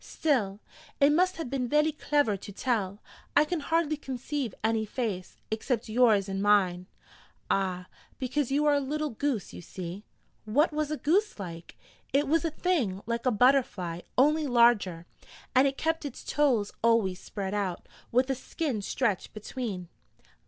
'Still, it must have been vely clever to tell. I can hardly conceive any face, except yours and mine.' 'Ah, because you are a little goose, you see.' 'What was a goose like?' 'It was a thing like a butterfly, only larger, and it kept its toes always spread out, with a skin stretched between.'